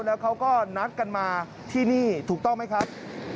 แล้วเขาก็นัดกันมาที่นี่ถูกต้องไหมครับ